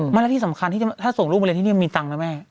ไม่แล้วที่สำคัญที่ถ้าส่งลูกมาเรียนที่นี่มีตังค์นะแม่